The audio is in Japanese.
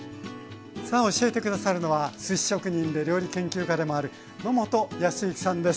さあ教えて下さるのはすし職人で料理研究家でもある野本やすゆきさんです。